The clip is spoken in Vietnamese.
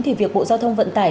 thì việc bộ giao thông vận tải